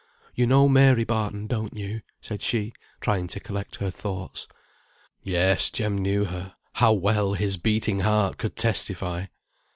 You know Mary Barton, don't you?" said she, trying to collect her thoughts. Yes, Jem knew her. How well, his beating heart could testify!